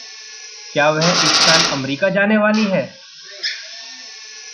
क्या वह इस साल अमरीका जाने वाली है?